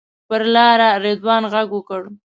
پر لاره رضوان غږ وکړ.